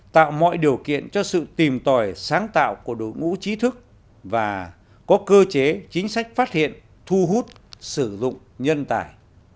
tạo mọi điều kiện cho sự tìm tòi sáng tạo của đội ngũ trí thức và có cơ chế chính sách phát hiện thu hút sử dụng nhân tài